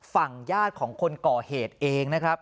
ฝั่งญาติของคนก่อเหตุเองนะครับ